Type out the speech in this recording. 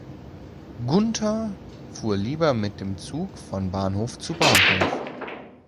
Gunther fuhr lieber mit dem Zug von Bahnhof zu Bahnhof.